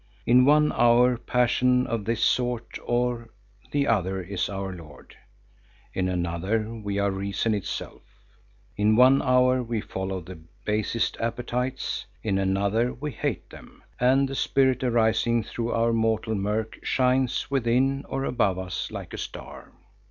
In one hour passion of this sort or the other is our lord; in another we are reason itself. In one hour we follow the basest appetites; in another we hate them and the spirit arising through our mortal murk shines within or above us like a star.